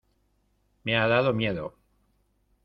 me ha dado miedo.